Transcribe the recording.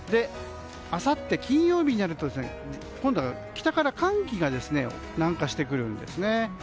あさって金曜日になると今度は北から寒気が南下してくるんです。